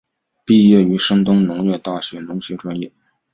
毕业于山东农业大学农学专业。